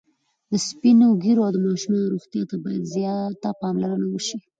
د سپین ږیرو او ماشومانو روغتیا ته باید زیاته پاملرنه وشي.